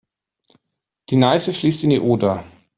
Die Neiße fließt in die Oder.